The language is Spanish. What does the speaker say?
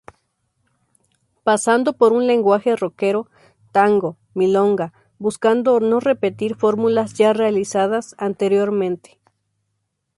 Pasando por un lenguaje roquero, tango, milonga, buscando no repetir fórmulas ya realizadas anteriormente.